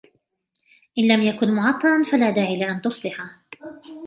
إن لم يكن معطلا، فلا داعي لأن تصلحه.